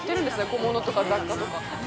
小物とか雑貨とか。